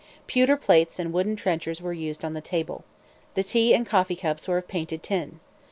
Pewter plates and wooden trenchers were used on the table. The tea and coffee cups were of painted tin.